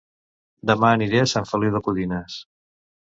Dema aniré a Sant Feliu de Codines